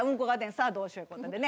さあどうしよういう事でね。